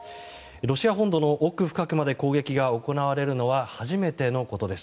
ロシア本土の奥深くまで攻撃が行われるのは初めてのことです。